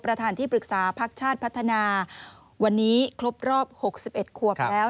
ประธานที่ปรึกษาพักชาติพัฒนาวันนี้ครบรอบ๖๑ขวบแล้ว